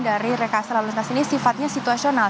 dari rekasi lalu lintas ini sifatnya situasional